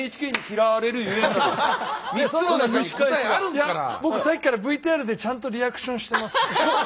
だから僕さっきからＶＴＲでちゃんとリアクションしてます。